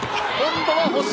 今度は星。